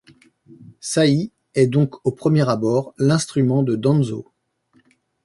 Saï est donc au premier abord l'instrument de Danzô.